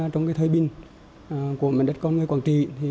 trong thời bình của mảnh đất con người quảng trị